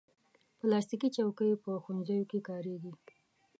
پلاستيکي چوکۍ په ښوونځیو کې کارېږي.